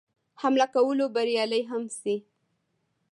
حمله کولو بریالی هم شي.